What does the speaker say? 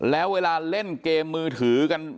แล้วเวลาเล่นเกมมือถือกัน